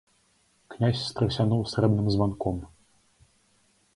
Князь страсянуў срэбным званком.